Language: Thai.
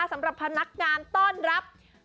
สำหรับพนักงานต้อนรับ